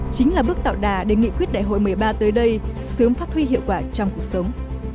chính là bước tạo đà để nghị quyết đại hội một mươi ba tới đây sớm phát huy hiệu quả trong cuộc sống